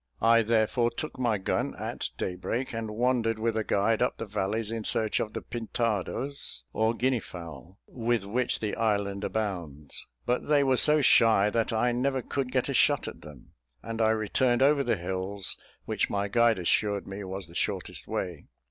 I therefore took my gun, at daybreak, and wandered with a guide up the valleys, in search of the pintados, or Guinea fowl, with which the island abounds; but they were so shy that I never could get a shot at them; and I returned over the hills, which my guide assured me was the shortest way.